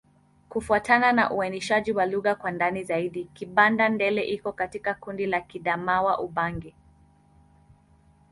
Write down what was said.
Kufuatana na uainishaji wa lugha kwa ndani zaidi, Kibanda-Ndele iko katika kundi la Kiadamawa-Ubangi.